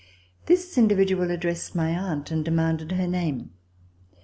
This individual addressed my aunt and demanded her name.